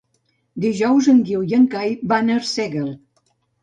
Dijous en Guiu i en Cai van a Arsèguel.